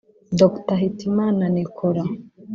Dr Hitimana Nicolas